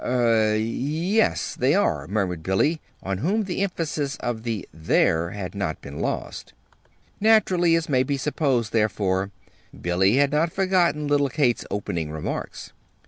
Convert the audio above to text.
"Er y yes, they are," murmured Billy, on whom the emphasis of the "they're" had not been lost. Naturally, as may be supposed, therefore, Billy had not forgotten little Kate's opening remarks.